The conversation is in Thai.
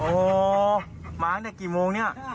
โอ้โฮมาตั้งแต่กี่โมงนี่